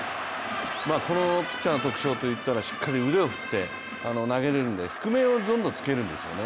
このピッチャーの特徴といったらしっかり腕を振って投げれるので低めをつけれるんですよね。